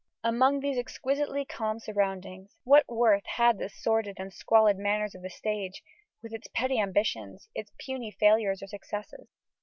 Among these exquisitely calm surroundings, what worth had the sordid and squalid matters of the stage, with its petty ambitions, its puny failures or successes?